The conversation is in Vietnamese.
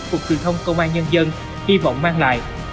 cục truyền thông công an nhân dân hy vọng mang lại